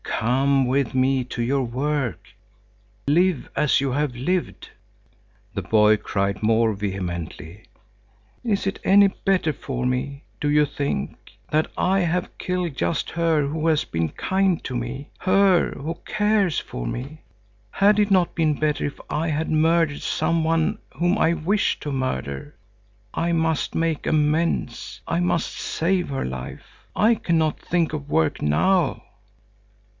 Come with me to your work! Live, as you have lived!" The boy cried more vehemently. "Is it any better for me, do you think, that I have killed just her who has been kind to me, her, who cares for me? Had it not been better if I had murdered some one whom I wished to murder. I must make amends. I must save her life. I cannot think of work now."